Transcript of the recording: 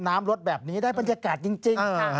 น้ำลดแบบนี้ได้บรรยากาศจริง